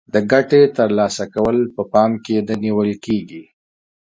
د ګټې تر لاسه کول په پام کې نه نیول کیږي.